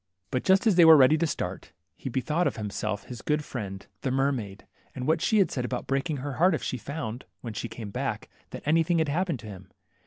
But just as they were ready to start, he bethought himself of his good friend, the n;Lermaid, and what she had said about breaking her heart if she found, when she came back, that anything had happened to him.